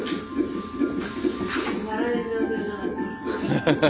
ハハハハ。